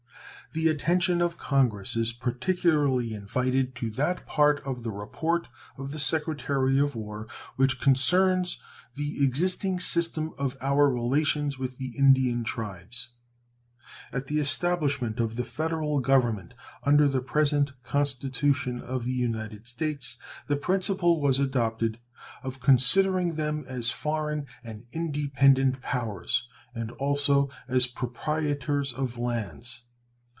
The attention of Congress is particularly invited to that part of the report of the Secretary of War which concerns the existing system of our relations with the Indian tribes. At the establishment of the Federal Government under the present Constitution of the United States the principle was adopted of considering them as foreign and independent powers and also as proprietors of lands.